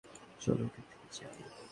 চলো এখান থেকে যাই।